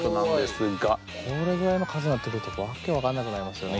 すごい！これぐらいの数になってくると訳分かんなくなりますよね。